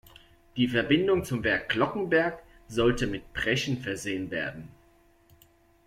Die Verbindung zum Werk Glockenberg sollte mit Breschen versehen werden.